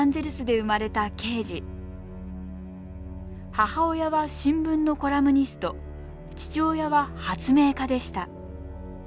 母親は新聞のコラムニスト父親は発明家でした。